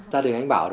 gia đình anh bảo